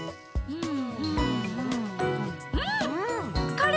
うん。